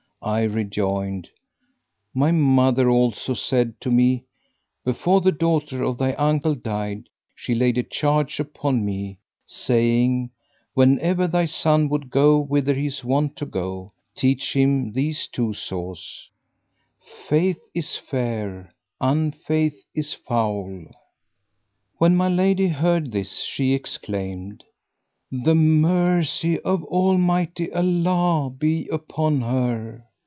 I rejoined, "My mother also said to me; 'Before the daughter of thy uncle died, she laid a charge upon me, saying, Whenever thy son would go whither he is wont to go, teach him these two saws, 'Faith is fair; Unfaith is foul!' " When my lady heard this she exclaimed, "The mercy of Almighty Allah be upon her!